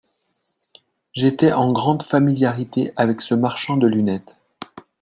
J'étais en grande familiarité avec ce marchand de lunettes.